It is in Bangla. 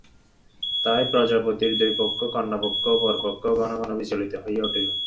তাই প্রজাপতির দুই পক্ষ, কন্যাপক্ষ ও বরপক্ষ ঘন ঘন বিচলিত হইয়া উঠিল।